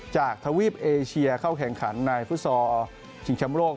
จากทวีปเอเชียเข้าแข่งขันในฟุตสอร์ชิงช้ำโลก